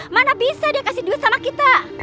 mana bisa dia kasih duit sama kita